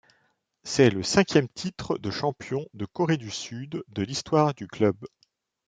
C'est le cinquième titre de champion de Corée du Sud de l'histoire du club.